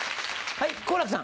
はい。